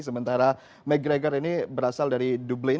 sementara mcgregor ini berasal dari dublain